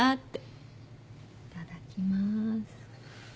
いただきます。